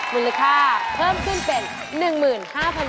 มูลค่าเพิ่มขึ้นเป็น